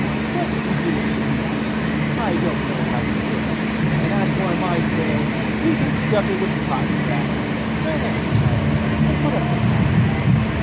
What should we do with a goose? I don't know how to cook it; and as for my pillow, I can stuff it with cotton grass. Run out, child, and put up the cock."